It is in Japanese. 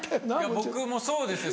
僕もそうですよ